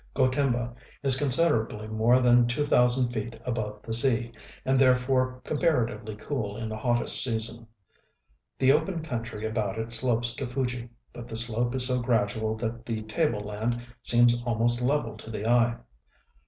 Gotemba is considerably more than two thousand feet above the sea, and therefore comparatively cool in the hottest season. The open country about it slopes to Fuji; but the slope is so gradual that the table land seems almost level to the eye.